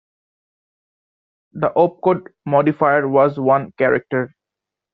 The opcode modifier was one character.